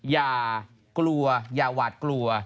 อย่ากลัวอย่าหวาดกลัว